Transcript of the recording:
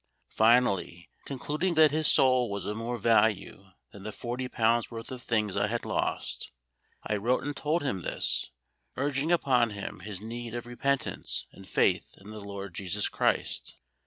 Finally, concluding that his soul was of more value than the £40 worth of things I had lost, I wrote and told him this, urging upon him his need of repentance and faith in the LORD JESUS CHRIST.